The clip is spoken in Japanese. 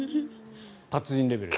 達人レベル。